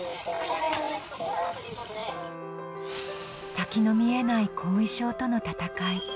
先の見えない後遺症との闘い。